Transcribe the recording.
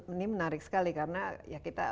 ini menarik sekali karena ya kita